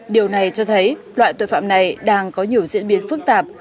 điều này cho thấy loại tội phạm này đang có nhiều diễn biến phức tạp